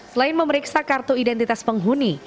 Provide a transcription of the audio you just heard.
selain memeriksa kartu identitas penghuni